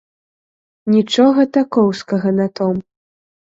Нічога такоўскага на том.